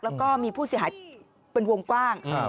แล้วก็มีผู้เสียหายเป็นวงกว้าง